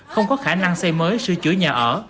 không có khả năng xây mới sửa chữa nhà ở